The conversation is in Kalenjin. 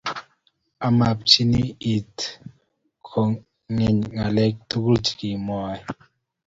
Ameepchi it kogeny ng'aleek tugul che kimwaei .